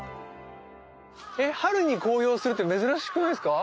春に紅葉するって珍しくないですか？